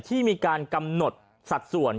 ที่มีการกำหนดสัดส่วน